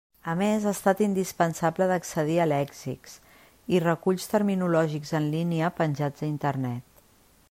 A més, ha estat indispensable d'accedir a lèxics i reculls terminològics en línia penjats a Internet.